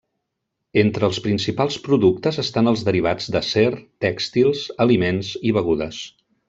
Entre els principals productes estan els derivats d'acer, tèxtils, aliments i begudes.